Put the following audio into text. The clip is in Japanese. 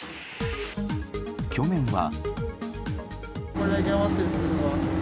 去年は。